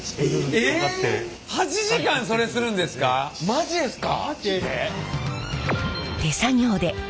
マジですか？